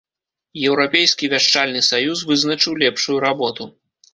Еўрапейскі вяшчальны саюз вызначыў лепшую работу.